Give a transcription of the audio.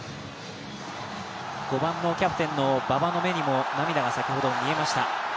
５番のキャプテンの馬場の目にも涙が先ほど見えました。